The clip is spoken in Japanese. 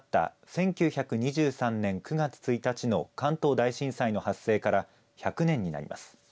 １９２３年９月１日の関東大震災の発生から１００年になります。